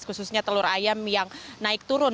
khususnya telur ayam yang naik turun